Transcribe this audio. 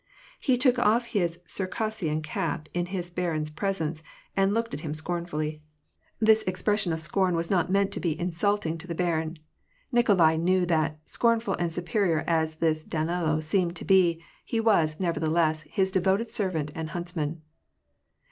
He took off his Circassian cap in his barin's presence, and looked at him scornfully. This expres WAR AND PEACE. 251 sion of scorn was not meant to be insulting to the barin : Nik olai knew that, scornful and superior as this Danilo seemed to be, he was, nevertheless, his devoted servant and huntsman.